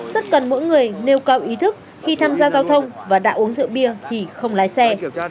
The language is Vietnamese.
rất cần mỗi người nêu cao ý thức khi tham gia giao thông và đã uống rượu bia thì không lái xe